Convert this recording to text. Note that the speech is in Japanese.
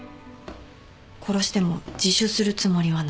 殺しても自首するつもりはない。